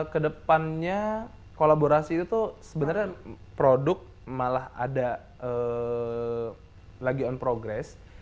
kedepannya kolaborasi itu tuh sebenarnya produk malah ada lagi on progress